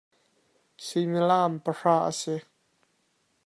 Suimilam pahra a si.